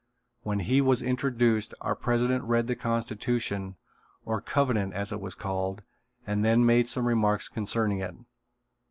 When he was introduced our president read the constitution, or covenant as it was called, and then made some remarks concerning it.